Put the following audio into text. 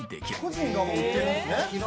「個人が売ってるんですね」